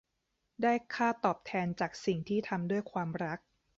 ได้ค่าตอบแทนจากสิ่งที่ทำด้วยความรัก